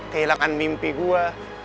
kehilangan mimpi gua